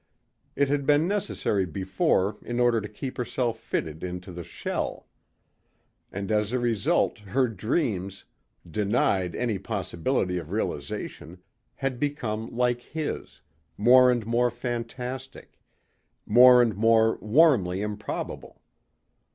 It had been necessary before in order to keep herself fitted into the shell. And as a result her dreams, denied any possibility of realization, had become like his, more and more fantastic, more and more warmly improbable.